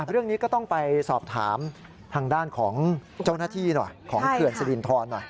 เรื่องนี้ก็ต้องไปสอบถามทางด้านของเจ้าหน้าที่หน่อยของเขื่อนสิรินทรหน่อย